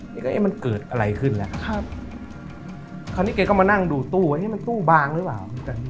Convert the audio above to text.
นี่ก็มันเกิดอะไรขึ้นแล้วคราวนี้แกก็มานั่งดูตู้ตู้บางหรือเปล่า